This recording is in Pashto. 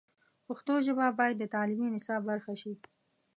پښتو ژبه باید د تعلیمي نصاب برخه شي.